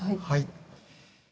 はい。